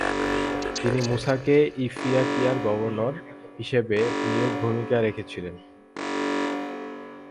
তিনি মুসাকে ইফ্রিকিয়ার গভর্নর হিসেবে নিয়োগে ভূমিকা রেখেছিলেন।